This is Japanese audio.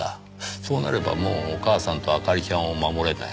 そうなればもうお母さんと明里ちゃんを守れない。